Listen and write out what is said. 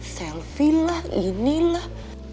selfie lah ini lah